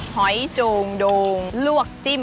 หอยจูงโดงลวกจิ้ม